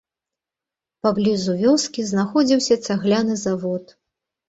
Паблізу вёскі знаходзіўся цагляны завод.